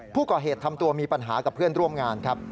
ผู้ก่อเหตุทำตัวมีปัญหากับเพื่อนร่วมงานครับ